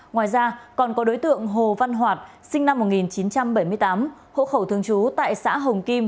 ngoài ra còn có đối tượng hồ văn hoạt sinh năm một nghìn chín trăm bảy mươi tám hộ khẩu thường trú tại xã hồng kim